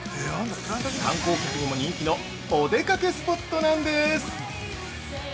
観光客にも人気のおでかけスポットなんです。